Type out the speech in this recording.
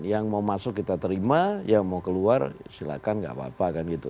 yang mau masuk kita terima yang mau keluar silakan nggak apa apa kan gitu